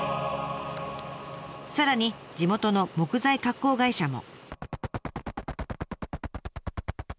さらに地元の木材加工会社も。